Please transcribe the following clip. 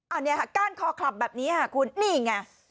อันนี้ค่ะก้านคอคลับแบบนี้ค่ะคุณนี่ไง